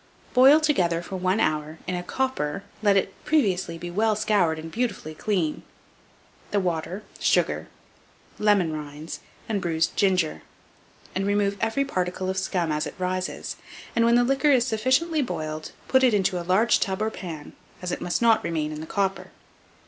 Boil together for 1 hour in a copper (let it previously be well scoured and beautifully clean) the water, sugar, lemon rinds, and bruised ginger; remove every particle of scum as it rises, and when the liquor is sufficiently boiled, put it into a large tub or pan, as it must not remain in the copper.